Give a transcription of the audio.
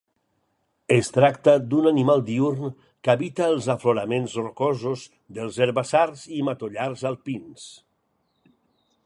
Es tracta d'un animal diürn que habita els afloraments rocosos dels herbassars i matollars alpins.